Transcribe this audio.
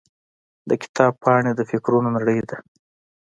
د کتاب پاڼې د فکرونو نړۍ ده.